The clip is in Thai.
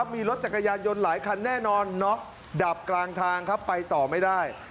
มีรถจักรยานยนต์หลายคันแน่นอนน็อกดับกลางทางครับไปต่อไม่ได้